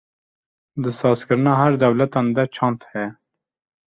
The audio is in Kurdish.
di saz kirina her dewletan de çand heye.